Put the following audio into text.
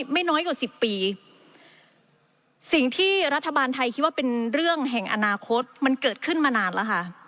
ไม่น้อยกว่าสิบปีสิ่งที่รัฐบาลไทยคิดว่าเป็นเรื่องแห่งอนาคตมันเกิดขึ้นมานานแล้วค่ะ